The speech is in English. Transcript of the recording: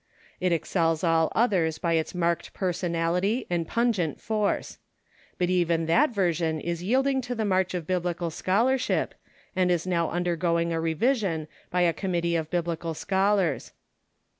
It excels all others by its marked personality and pun gent force. But even that version is yielding to the march of Biblical scholarship, and is now undergoing a revision by a committee of Biblical scholars.